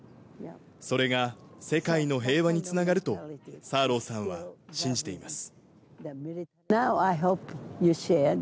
それが世界の平和につながると、サーローさんは信じています。